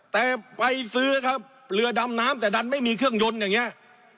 แต่ไปซื้อครับเรือดำน้ำแต่ดันไม่มีเครื่องยนต์อย่างนี้